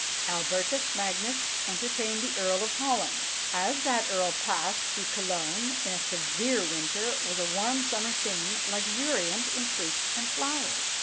Albertus Magnus entertained the Earl of Holland, as that earl passed through Cologne, in a severe winter, with a warm summer scene, luxuriant in fruits and flowers.